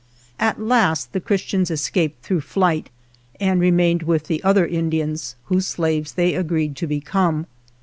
At last the Christians escaped through flight, and remained with the other Indians, whose slaves they agreed to become.